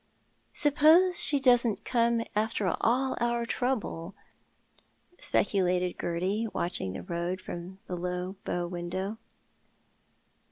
" Suppose she doesn't come after all our trouble," speculated Gerty, watching the road from the bow window.